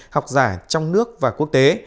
học giả trong nước và quốc tế